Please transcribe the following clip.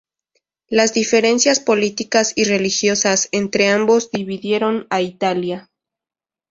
Las diferencias políticas y religiosas entre ambos dividieron a Italia.